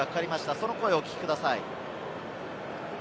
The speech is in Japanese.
その声をお聞きください。